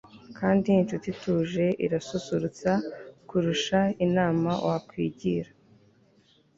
kandi incuti ituje irasusurutsa kurusha inama wakwigira